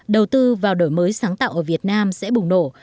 đầu tư vào đổi mới sáng tạo ở việt nam sẽ bùng nổ